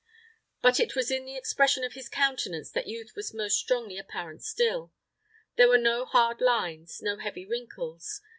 But it was in the expression of his countenance that youth was most strongly apparent still. There were no hard lines, no heavy wrinkles.